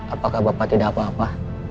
apakah bapak tidak apa apa